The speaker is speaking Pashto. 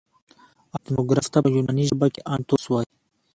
اتنوګراف ته په یوناني ژبه کښي انتوس وايي.